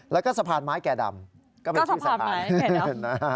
แล้วก็สะพานไม้แก่ดำก็เป็นชื่อสะพาน